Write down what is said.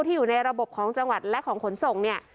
ที่อยู่ในระบบของจังหวัดและของขนส่ง